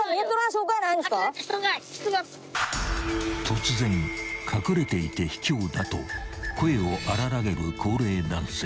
［突然隠れていてひきょうだと声を荒らげる高齢男性］